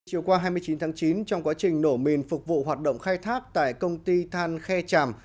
chiều qua hai mươi chín tháng chín trong quá trình nổ mìn phục vụ hoạt động khai thác tại công ty than khe chàm